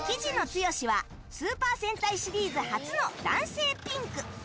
つよしはスーパー戦隊シリーズ初の男性ピンク。